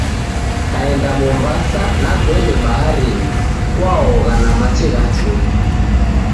Kaenda Mombasa na kwende baharinyi kwa ogha na machi gha chumbi